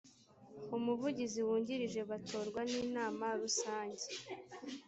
umuvugizi wungirije batorwa n inama rusange